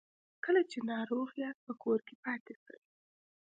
کله چې ناروغ یاست په کور کې پاتې سئ